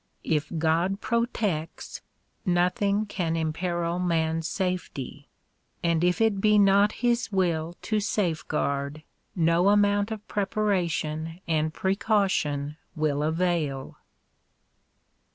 If God protects, nothing can imperil man's safety; and if it be not his will to safeguard, no amount of preparation and precaution will avail.